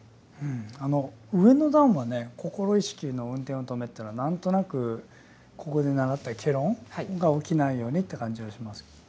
上の段はね「心意識の運転を停め」というのは何となくここで習った戯論が起きないようにという感じがします。